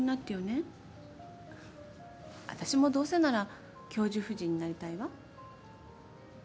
「私もどうせなら教授夫人になりたいわ」